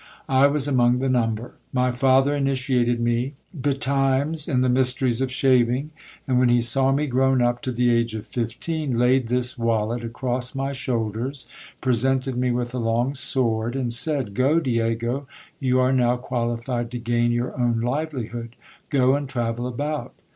I was among the number. My father initiated me betimes in the mysteries of shaving ; and when he saw me grown up to the age of fifteen, laid this wallet across my shoulders, presented me with a long sword, and said — Go, Diego, you are now qualified to gain your own livelihood ; go and travel about.